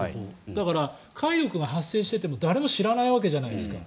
だから、貝毒が発生していても誰も知らないわけじゃないですか。